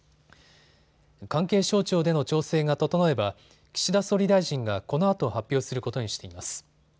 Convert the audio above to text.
関係省庁での調整が整えば岸田総理大臣がこのあと発表することにしています。